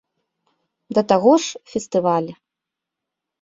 Да таго ж, фестываль!